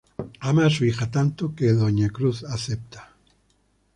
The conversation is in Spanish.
Amar a su hija tanto, que Doña Cruz acepta.